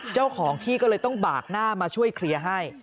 เจ้าของที่ก็เลยต้องบากหน้ามาช่วยเคลียร์ให้